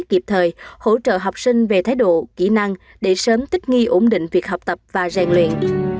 kịp thời hỗ trợ học sinh về thái độ kỹ năng để sớm thích nghi ổn định việc học tập và rèn luyện